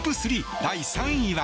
第３位は。